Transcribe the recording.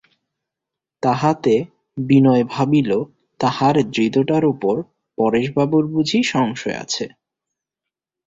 তাহাতে বিনয় ভাবিল তাহার দৃঢ়তার উপর পরেশবাবুর বুঝি সংশয় আছে।